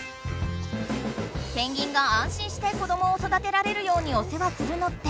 ペンギンがあん心して子どもをそだてられるようにおせわするのって